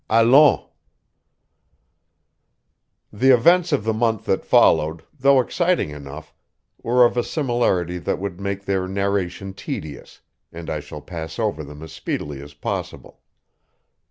ALLONS! The events of the month that followed, though exciting enough, were of a similarity that would make their narration tedious, and I shall pass over them as speedily as possible.